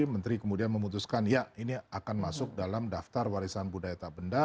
menteri kemudian memutuskan ya ini akan masuk dalam daftar warisan budaya tak benda